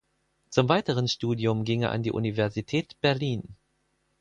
Zum weiteren Studium ging er an die Universität Berlin.